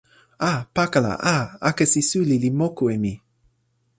a! pakala! a! akesi suli li moku e mi!